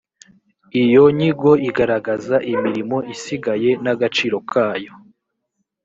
iyo nyigo igaragaza imirimo isigaye n’agaciro kayo